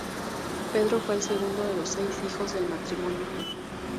Pedro fue el segundo de los seis hijos del matrimonio.